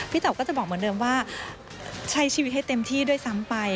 เต๋าก็จะบอกเหมือนเดิมว่าใช้ชีวิตให้เต็มที่ด้วยซ้ำไป